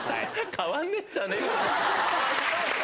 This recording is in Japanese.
変わんねえんじゃねえか。